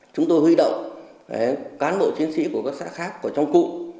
chúng tôi huy động cán bộ chiến sĩ của các xã khác ở trong cụ